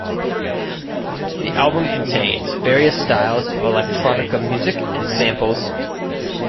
The album contains various styles of electronica music and samples.